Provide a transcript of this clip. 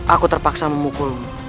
aku terpaksa memukulmu